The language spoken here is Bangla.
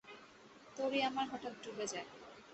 তরী আমার হঠাৎ ডুবে যায়।